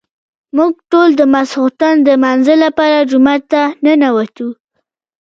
موږ ټول د ماسخوتن د لمانځه لپاره جومات ته ننوتو.